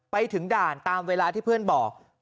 ไปถึงด่านตามเวลาที่เพื่อนบอก